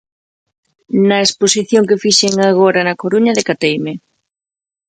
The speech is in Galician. Na exposición que fixen agora na Coruña decateime.